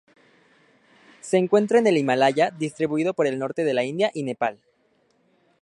Se encuentra en el Himalaya distribuido por el norte de la India y Nepal.